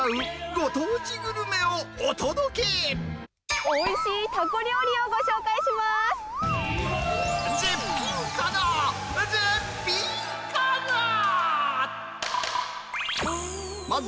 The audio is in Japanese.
ご当地グルメおいしいタコ料理をご紹介します。